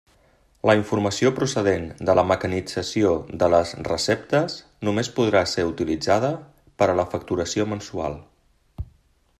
La informació procedent de la mecanització de les receptes només podrà ser utilitzada per a la facturació mensual.